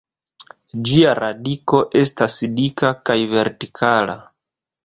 Ĝia radiko estas dika kaj vertikala.